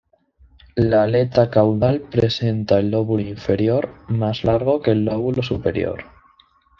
La aleta caudal presenta el lóbulo inferior más largo que el lóbulo superior.